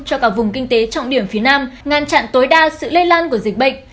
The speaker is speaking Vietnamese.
cho cả vùng kinh tế trọng điểm phía nam ngăn chặn tối đa sự lây lan của dịch bệnh